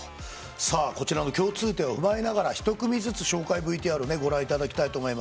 こちらの共通点を踏まえながら一組ずつ紹介ＶＴＲご覧いただきたいと思います。